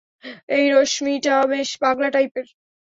এই রশ্মিটা বেশ পাগলা টাইপের।